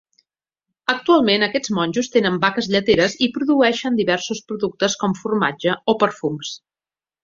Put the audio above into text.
Actualment aquests monjos tenen vaques lleteres i produeixen diversos productes com formatge o perfums.